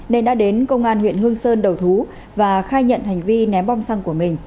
nên đã đến công an huyện hương sơn đầu thú và khai nhận hành vi ném bom xăng